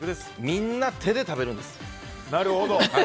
みんな、手で食べるんです。